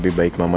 ini teman ma